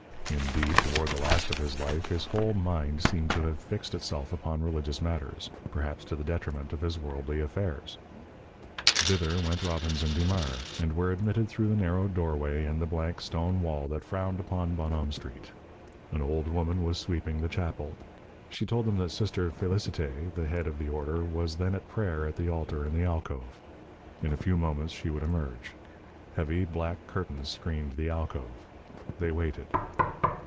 Indeed, toward the last of his life his whole mind seemed to have fixed itself upon religious matters, perhaps to the detriment of his worldly affairs. Thither went Robbins and Dumars, and were admitted through the narrow doorway in the blank stone wall that frowned upon Bonhomme Street. An old woman was sweeping the chapel. She told them that Sister Félicité, the head of the order, was then at prayer at the altar in the alcove. In a few moments she would emerge. Heavy, black curtains screened the alcove. They waited.